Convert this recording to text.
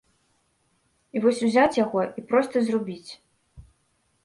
І вось узяць яго, і проста зрубіць.